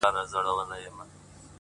نن ستا کور و ته کوه طور دی د ژوند’